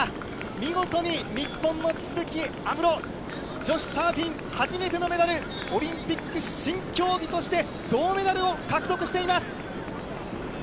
見事に日本の都筑有夢路、女子サーフィン初めてのメダル、オリンピック新競技として銅メダルを獲得しています。